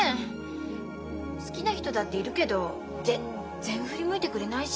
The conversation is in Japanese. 好きな人だっているけど全然振り向いてくれないし。